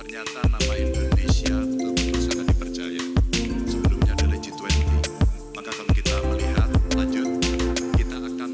indonesia untuk usaha dipercaya sebelumnya adalah g dua puluh maka kita melihat lanjut kita akan